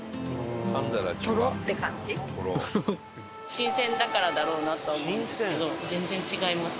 新鮮だからだろうなとは思うんですけど全然違います。